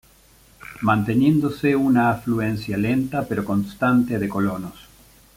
Manteniéndose una afluencia lenta pero constante de colonos